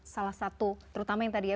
salah satu terutama yang tadi ya